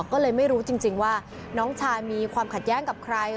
ก็เลยไม่รู้จริงว่าน้องชายมีความขัดแย้งกับใคร